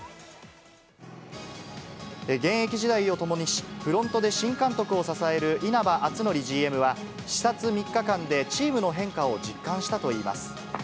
現役時代を共にし、フロントで新監督を支える稲葉篤紀ＧＭは、視察３日間でチームの変化を実感したといいます。